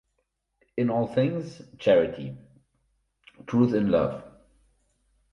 In All Things, Charity; Truth In Love.